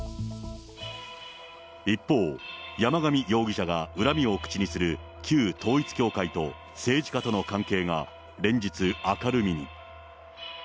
一方、山上容疑者が恨みを口にする旧統一教会と政治家との関係が連日、明るみに。